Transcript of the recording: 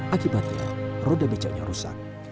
akibatnya roda becanya rusak